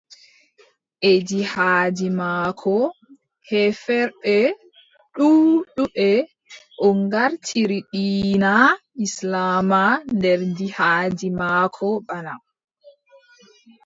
E jihaadi maako, heeferɓe ɗuuɗɓe o ngartiri diina islaama nder jihaadi maako bana.